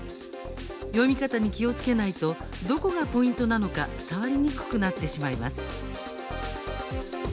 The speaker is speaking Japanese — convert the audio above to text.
読み方に気をつけないとどこがポイントなのか伝わりにくくなってしまいます。